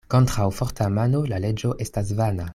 Kontraŭ forta mano la leĝo estas vana.